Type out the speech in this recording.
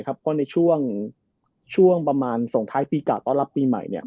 เพราะตอนสองท้ายพีกล์ตอบปีใหม่